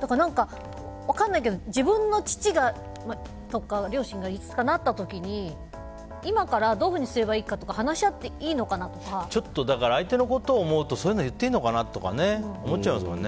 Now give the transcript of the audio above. だから、分からないけど自分の父が両親がいつかなった時に今からどういうふうにすればいいのかなだから、相手のことを思うとそういうの言っていいのかなとか思っちゃいますよね。